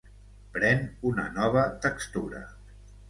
Pren una nova textura.